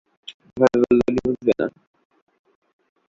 এভাবে বললে উনি বুঝবে না।